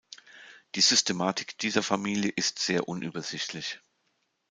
Die Systematik dieser Familie ist sehr unübersichtlich.